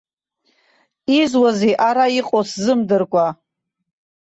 Изуазеи ара иҟоу сзымдыркәа!